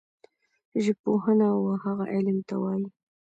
ژبپوهنه وهغه علم ته وايي